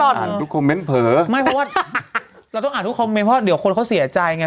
อ่านทุกคอมเมนต์เผลอไม่เพราะว่าเราต้องอ่านทุกคอมเมนต์เพราะเดี๋ยวคนเขาเสียใจไง